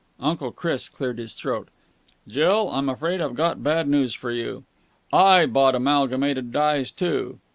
Uncle Chris cleared his throat. "Jill, I'm afraid I've got bad news for you. I bought Amalgamated Dyes, too."